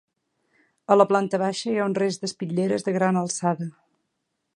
A la planta baixa hi ha un rest d'espitlleres de gran alçada.